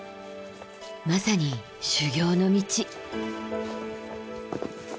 まさに修行の道。